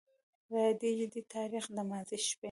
رايادېږي دې تاريخه د ماضي شپې